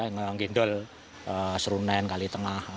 menggendol serunan kali tengah